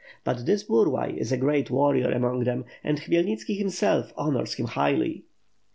But this Burlay is a great warrior among them and Khmyel niKki, himself, honors him highly."